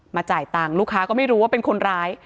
จ่ายตังค์ลูกค้าก็ไม่รู้ว่าเป็นคนร้าย